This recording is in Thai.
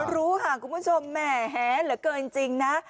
รู้ค่ะคุณผู้ชมแหมเหลือเกินจริงนะ